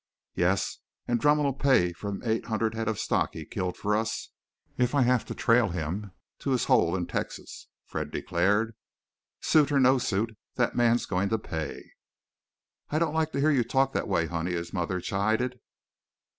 "Yes, and Drumm'll pay for them eight hundred head of stock he killed for us, if I have to trail him to his hole in Texas!" Fred declared. "Suit or no suit, that man's goin' to pay." "I don't like to hear you talk that way, honey," his mother chided.